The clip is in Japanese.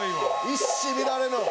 一糸乱れぬ。